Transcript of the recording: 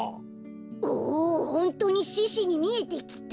おホントにししにみえてきた。